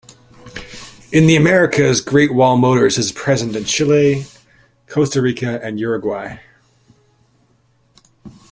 In the Americas, Great Wall Motors is present in Chile, Costa Rica and Uruguay.